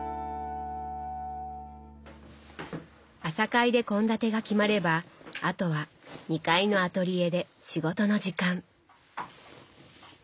朝会で献立が決まればあとは２階のアトリエで仕事の時間。